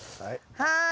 はい。